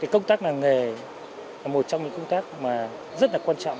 công tác làng nghề là một trong những công tác rất là quan trọng